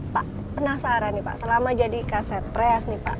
pak penasaran nih pak selama jadi kaset preas nih pak